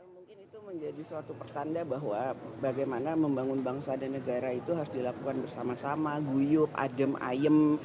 mungkin itu menjadi suatu pertanda bahwa bagaimana membangun bangsa dan negara itu harus dilakukan bersama sama guyup adem ayem